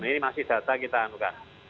ini masih data kita anukan